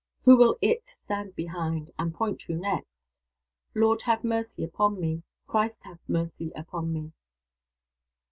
Who will IT stand behind? and point to next? Lord have mercy upon me! Christ have mercy upon me!"